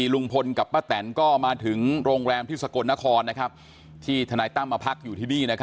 ลุงพลกับป้าแตนก็มาถึงโรงแรมที่สกลนครที่ธนายตั้มมาพักอยู่ที่นี่